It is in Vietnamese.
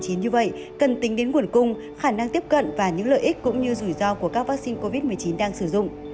như vậy cần tính đến nguồn cung khả năng tiếp cận và những lợi ích cũng như rủi ro của các vaccine covid một mươi chín đang sử dụng